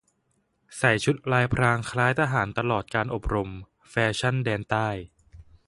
ใส่ชุดลายพรางคล้ายทหารตลอดการอบรม แฟชั่นแดนใต้